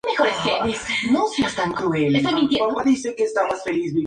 Combatió en la batalla de Vilcapugio, destacándose por su valor y capacidad de mando.